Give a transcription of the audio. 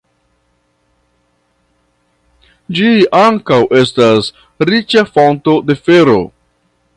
Ĝi ankaŭ estas riĉa fonto de fero.